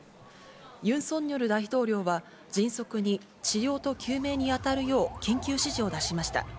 ユン・ソンニョル大統領は迅速に治療と救命に当たるよう、緊急指示を出しました。